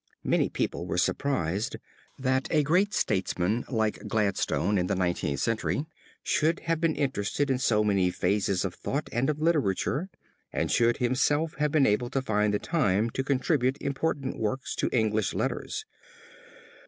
Many people were surprised that a great statesman like Gladstone in the Nineteenth Century, should have been interested in so many phases of thought and of literature and should himself have been able to find the time to contribute important works to English letters.